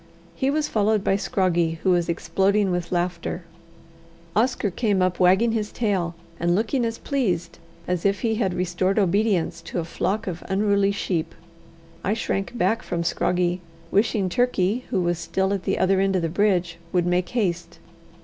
He was followed by Scroggie, who was exploding with laughter. Oscar came up wagging his tail, and looking as pleased as if he had restored obedience to a flock of unruly sheep. I shrank back from Scroggie, wishing Turkey, who was still at the other end of the bridge, would make haste.